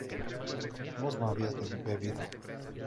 vos no habías bebido